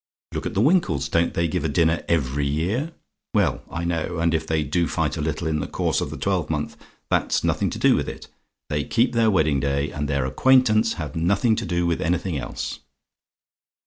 Look at the Winkles don't they give a dinner every year? Well, I know, and if they do fight a little in the course of the twelvemonth, that's nothing to do with it. They keep their wedding day, and their acquaintance have nothing to do with anything else.